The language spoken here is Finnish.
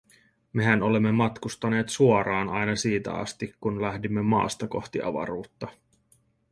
Mehän olemme matkustaneet suoraan aina siitä asti, kun lähdimme maasta kohti avaruutta.